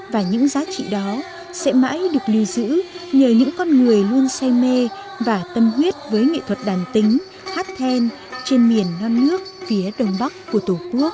và những giá trị đó sẽ mãi được lưu giữ nhờ những con người luôn say mê và tâm huyết với nghệ thuật đàn tính hát then trên miền non nước phía đông bắc của tổ quốc